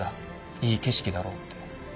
「いい景色だろ」って。